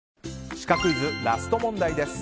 シカクイズ、ラスト問題です。